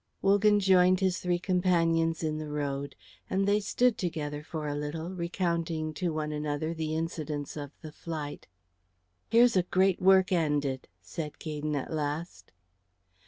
Wogan joined his three companions in the road, and they stood together for a little, recounting to one another the incidents of the flight. "Here's a great work ended," said Gaydon at last.